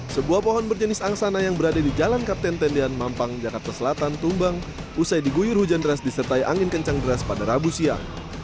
sebuah pohon berjenis angsana yang berada di jalan kapten tendian mampang jakarta selatan tumbang usai diguyur hujan deras disertai angin kencang deras pada rabu siang